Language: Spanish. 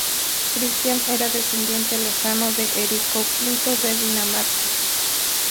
Cristián era descendiente lejano de Erico V de Dinamarca.